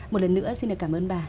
một lần nữa xin được cảm ơn bà